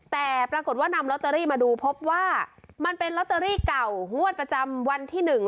แต่ปรากฏว่านำลอตเตอรี่มาดูพบว่ามันเป็นลอตเตอรี่เก่างวดประจำวันที่หนึ่ง